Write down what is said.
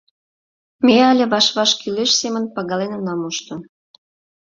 Ме але ваш-ваш кӱлеш семын пагален она мошто.